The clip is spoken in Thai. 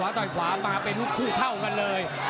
ต่อยขวามาเป็นลูกคู่เท่ากันเลย